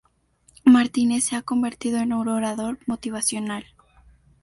Martínez se ha convertido en un orador motivacional.